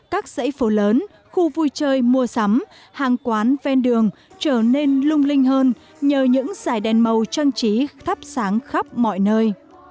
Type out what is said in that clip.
các dãy phố lớn khu vui chơi mua sắm hàng quán ven đường trở nên lung linh hơn nhờ những giải đèn màu trang trí thắp sáng khắp mọi nơi